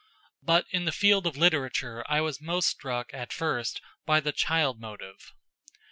But in the field of literature I was most struck, at first, by the child motive.